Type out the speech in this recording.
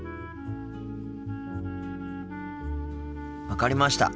分かりました。